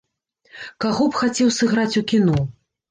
Каго б хацеў сыграць у кіно?